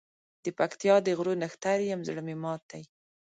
دپکتیا د غرو نښتر یم زړه مي مات دی